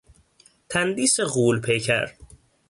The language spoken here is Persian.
تندیس غول پیکر